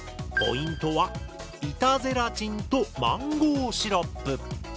ポイントは「板ゼラチン」と「マンゴーシロップ」。